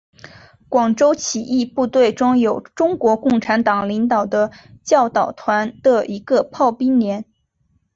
广州起义部队中有中国共产党领导的教导团的一个炮兵连。